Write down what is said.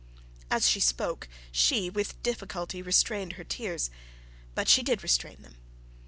As she spoke she with difficulty restrained her tears; but she did restrain them.